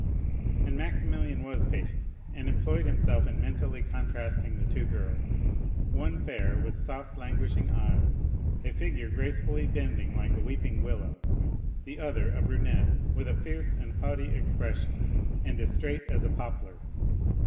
And Maximilian was patient, and employed himself in mentally contrasting the two girls,—one fair, with soft languishing eyes, a figure gracefully bending like a weeping willow; the other a brunette, with a fierce and haughty expression, and as straight as a poplar.